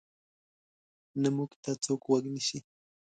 نه موږ ته څوک غوږ نیسي.